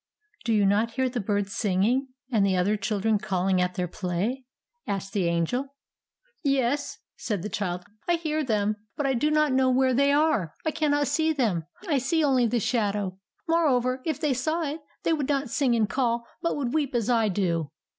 "Do you not hear the birds singing, and the other children calling at their play?" asked the Angel. "Yes," said the child; "I hear them, but I do not know where they are. I cannot see them, I see only the shadow. Moreover, if they saw it, they would not sing and call, but would weep as I do."